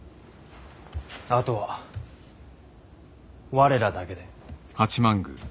あとは我らだけで。